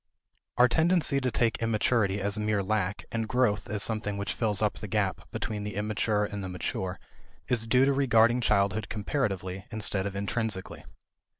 Our tendency to take immaturity as mere lack, and growth as something which fills up the gap between the immature and the mature is due to regarding childhood comparatively, instead of intrinsically.